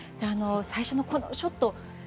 最初のショット４